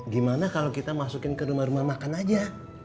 gimana kalau kita masukin ke rumah rumah makan aja